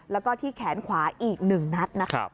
แล้วก็ที่แขนขวาอีก๑นัท